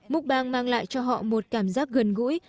mục bang mang lại cho họ một cảm giác gần gũi